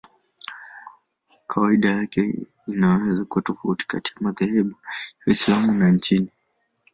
Kawaida yake inaweza kuwa tofauti kati ya madhehebu ya Waislamu na nchi.